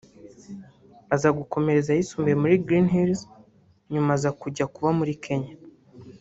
aza gukomereza ayisumbuye muri Green Hills nyuma aza kujya kuba muri Kenya